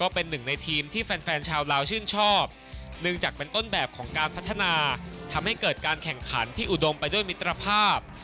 ก็เป็นหนึ่งในทีมที่แฟนชาวลาวชื่นชอบเนื่องจากเป็นต้นแบบของการพัฒนาทำให้เกิดการแข่งขันที่อุดมไปด้วยมิตรภาพ